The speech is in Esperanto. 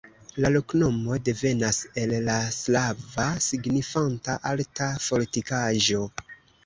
La loknomo devenas el la slava, signifanta: alta fortikaĵo.